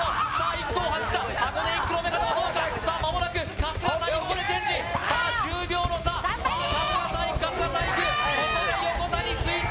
１区を走った箱根１区の目片はどうかさあまもなく春日さんにここでチェンジさあ１０秒の差さあ春日さんいく春日さんいくここで横田にスイッチ